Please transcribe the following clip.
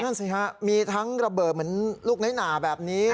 นั่นสิฮะมีทั้งระเบิดเหมือนลูกน้อยหนาแบบนี้